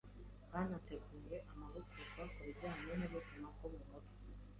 hanateguwe amahugurwa ku bijyanye n’ubuzima bwo mu mutwe